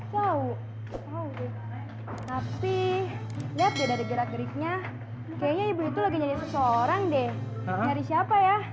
wow tapi lihat deh dari gerak geriknya kayaknya ibu itu lagi nyari seseorang deh nyari siapa ya